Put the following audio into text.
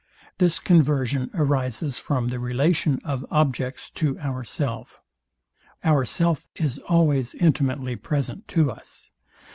This conversion arises from the relation of objects to ourself. Ourself is always intimately present to us.